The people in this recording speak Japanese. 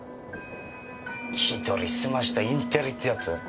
気取りすましたインテリってやつ？